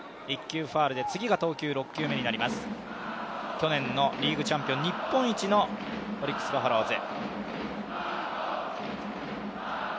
去年のリーグチャンピオン、日本一のオリックス・バファローズ。